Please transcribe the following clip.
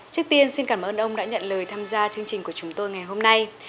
trước tiên xin cảm ơn ông đã nhận lời tham gia chương trình của chúng tôi ngày hôm nay